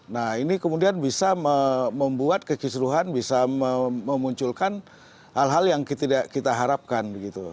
nah ini kemudian bisa membuat kekisruhan bisa memunculkan hal hal yang tidak kita harapkan